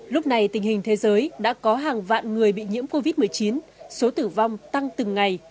lúc này tình hình thế giới đã có hàng vạn người bị nhiễm covid một mươi chín số tử vong tăng từng ngày